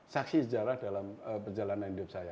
saksi sejarah dalam perjalanan hidup saya